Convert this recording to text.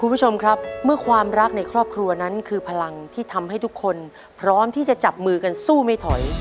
คุณผู้ชมครับเมื่อความรักในครอบครัวนั้นคือพลังที่ทำให้ทุกคนพร้อมที่จะจับมือกันสู้ไม่ถอย